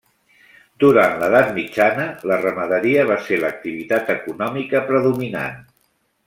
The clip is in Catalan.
Durant l'edat mitjana, la ramaderia va ser l'activitat econòmica predominant.